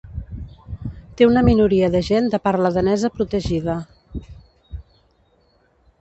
Té una minoria de gent de parla danesa protegida.